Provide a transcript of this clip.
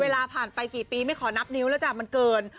เวลาผ่านไปกี่ปีไม่ขอนับนิ้วแล้วจ้ะมันเกิน